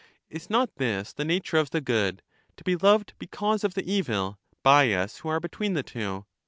Is not this the nature of the good — to be loved because of the evil, by us who are between the two?